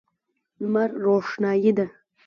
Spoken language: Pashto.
لمر روښنايي ده.